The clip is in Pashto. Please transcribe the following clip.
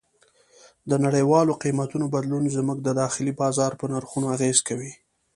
د نړیوالو قیمتونو بدلون زموږ د داخلي بازار په نرخونو اغېز کوي.